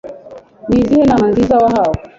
Ni izihe nama nziza wahawe?